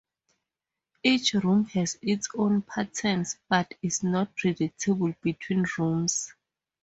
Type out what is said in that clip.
Each room has its own patterns but is not predictable between rooms.